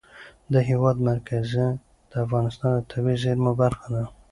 د هېواد مرکز د افغانستان د طبیعي زیرمو برخه ده.